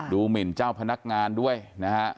หมินเจ้าพนักงานด้วยนะฮะ